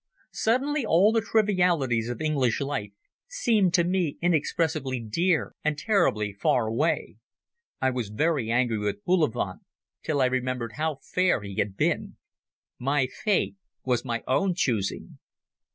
Suddenly all the trivialities of English life seemed to me inexpressibly dear and terribly far away. I was very angry with Bullivant, till I remembered how fair he had been. My fate was my own choosing.